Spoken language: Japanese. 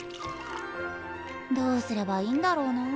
どうすればいいんだろうな。